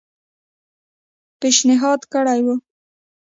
پېشنهاد کړی وو.